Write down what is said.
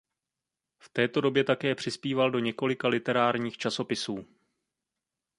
V této době také přispíval do několika literárních časopisů.